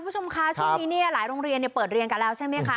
สู่นี้หลายโรงเรียนเปิดเรียนกันแล้วใช่ไหมค่ะ